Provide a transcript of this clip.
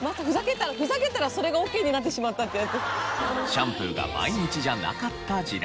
シャンプーが毎日じゃなかった時代。